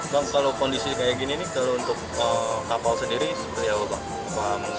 bang kalau kondisi kayak gini nih untuk kapal sendiri seperti apa bang